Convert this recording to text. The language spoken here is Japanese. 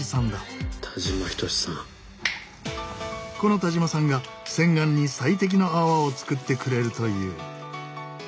この田島さんが洗顔に最適の泡を作ってくれるという。